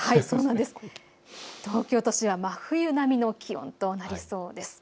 東京都心は真冬並みの気温となりそうです。